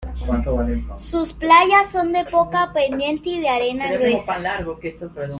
Sus playas son de poca pendiente y de arenas gruesas.